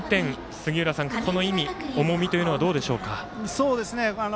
杉浦さん、この意味、重みというのはどうでしょうか。